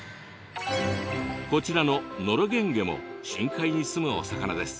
こちらのノロゲンゲも深海にすむお魚です。